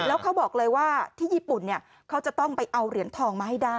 แล้วเขาบอกเลยว่าที่ญี่ปุ่นเขาจะต้องไปเอาเหรียญทองมาให้ได้